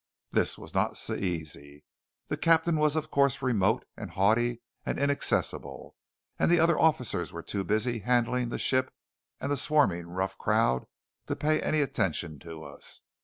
This was not so easy. The captain was of course remote and haughty and inaccessible, and the other officers were too busy handling the ship and the swarming rough crowd to pay any attention to us.